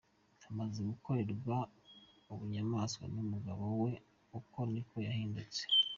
amaze gukorerwa ubunyamaswa n’umugabo we uko niko yahindutse.